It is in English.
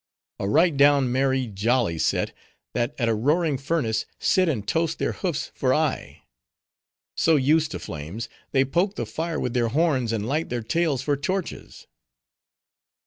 "A right down merry, jolly set, that at a roaring furnace sit and toast their hoofs for aye; so used to flames, they poke the fire with their horns, and light their tails for torches."